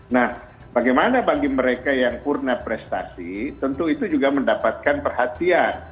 nah bagaimana bagi mereka yang purna prestasi tentu itu juga mendapatkan perhatian